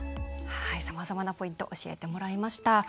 さまざまなポイント教えてもらいました。